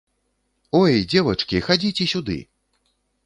Ой, дзевачкі, хадзіце сюды!